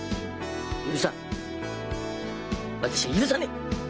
許さん私は許さねえ！